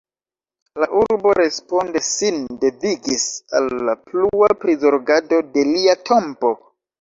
La urbo responde sin devigis al la plua prizorgado de lia tombo.